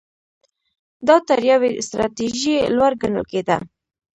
دا تر یوې ستراتیژۍ لوړ ګڼل کېده.